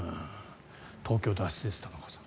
東京脱出です、玉川さん。